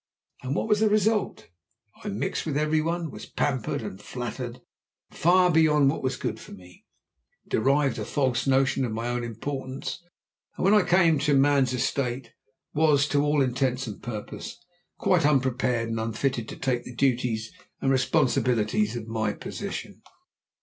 And what was the result? I mixed with every one, was pampered and flattered far beyond what was good for me, derived a false notion of my own importance, and when I came to man's estate was, to all intents and purposes, quite unprepared and unfitted to undertake the duties and responsibilities of my position.